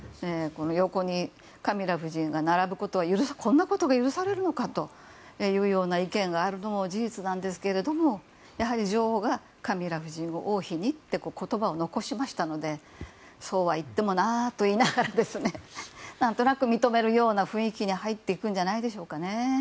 横にカミラ夫人が並ぶこと、こんなことが許されるのかという意見が事実ですがやはり女王がカミラ夫人を王妃にという言葉を残しましたのでそうは言ってもなと言いながら何となく認めるような雰囲気に入っていくんじゃないですかね。